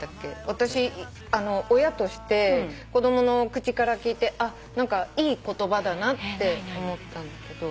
私親として子供の口から聞いていい言葉だなって思ったんだけど。